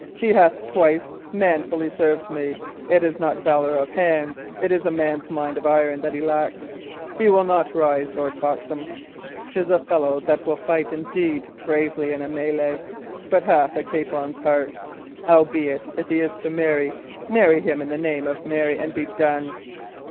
"He hath twice manfully served me. It is not valour of hands, it is a man's mind of iron, that he lacks. He will not rise, Lord Foxham. 'Tis a fellow that will fight indeed bravely in a mellay, but hath a capon's heart. Howbeit, if he is to marry, marry him in the name of Mary, and be done!"